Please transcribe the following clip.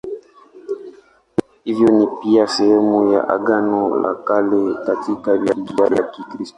Hivyo ni pia sehemu ya Agano la Kale katika Biblia ya Kikristo.